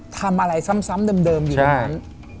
ทำอะไรซ้ำเดิมอยู่ตรงนั้น